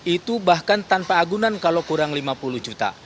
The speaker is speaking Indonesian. itu bahkan tanpa agunan kalau kurang lima puluh juta